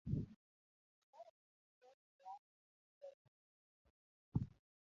Olero ni nonro oseyaw ewi tho apisano.